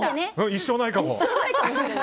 一生ないかも。